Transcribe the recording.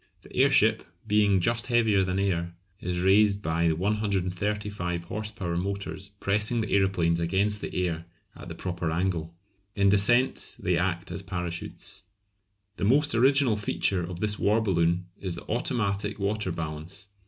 The airship, being just heavier than air, is raised by the 135 horse power motors pressing the aeroplanes against the air at the proper angle. In descent they act as parachutes. The most original feature of this war balloon is the automatic water balance.